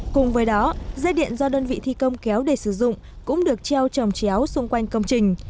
cùng với đó dây điện do đơn vị thi công kéo để sử dụng cũng được treo trồng chéo xung quanh công trình